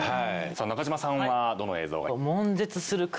中島さんはどの映像が？